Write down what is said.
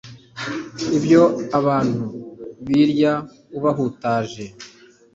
ibyo abahutu birya ubahutaje